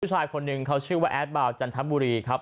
ชายคนหนึ่งเขาชื่อว่าแอดบาวจันทบุรีครับ